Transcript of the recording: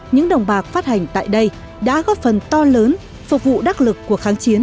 những đồng bạc phát hành tại đây đã góp phần to lớn phục vụ đắc lực của kháng chiến